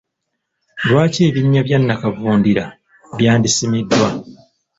Lwaki ebinnya bya nakavundira byandisimiddwa?